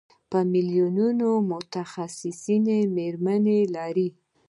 په میلیونونو متخصصې مېرمنې لري.